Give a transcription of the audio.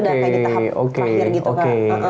itu udah kayak di tahap akhir gitu kak